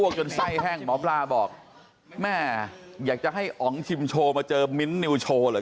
คุณก็อ้วกไม่ใช่หมอป้าอ้วกคนเดียว